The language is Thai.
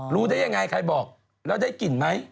รู้ได้ยังไงใครบอกแล้วได้กลิ่นไหม